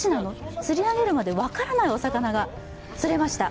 釣り上げるまで分からないお魚が釣れました。